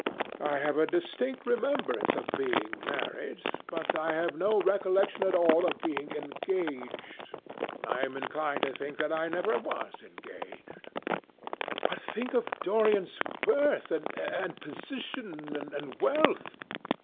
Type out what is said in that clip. I have a distinct remembrance of being married, but I have no recollection at all of being engaged. I am inclined to think that I never was engaged." "But think of Dorian's birth, and position, and wealth.